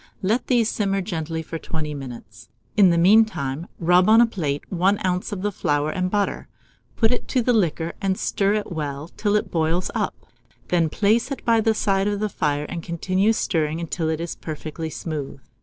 Let these simmer gently for 20 minutes. In the mean time, rub on a plate 1 oz. of flour and butter; put it to the liquor, and stir it well till it boils up; then place it by the side of the fire, and continue stirring until it is perfectly smooth.